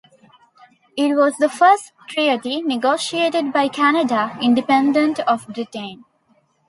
It was the first treaty negotiated by Canada, independent of Britain.